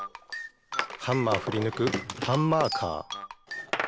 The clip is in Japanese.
ハンマーふりぬくハンマーカー。